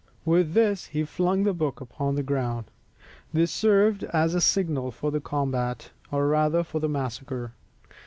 With this he flung the book upon the ground. This served as a signal for the combat, or rather for the massacre.